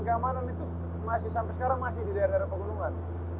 jadi memang gangguan keamanan itu masih sampai sekarang masih di daerah daerah pegunungan